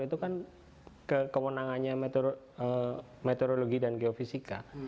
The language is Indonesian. itu kan kewenangannya meteorologi dan geofisika